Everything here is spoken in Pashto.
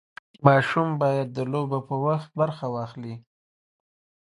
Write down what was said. ماشوم باید د لوبو په وخت برخه واخلي.